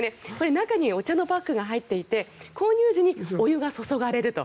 中にお茶のパックが入っていて購入時にお湯が注がれると。